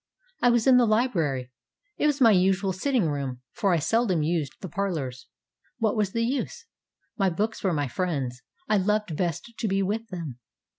I was in the library; it was my usual sitting room, for I seldom used the parlors. What was the use? My books were my friends, and I loved best to be with them.